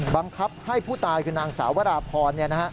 บังคับให้ผู้ตายคือนางสาวราพร